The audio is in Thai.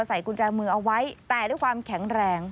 กุญแจมือเอาไว้แต่ด้วยความแข็งแรง